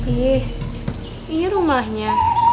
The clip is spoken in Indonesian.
ih ini rumahnya